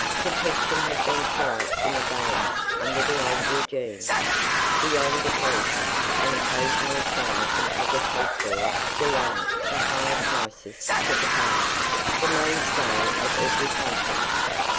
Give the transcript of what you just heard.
Protection had been quite in abeyance under the old regime, beyond at least, an occasional sigh from agricultural Geelong for higher prices for the farmer, "the mainstay of every country."